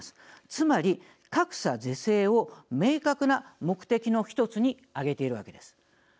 つまり、格差是正を明確な目的の一つに挙げているわけです。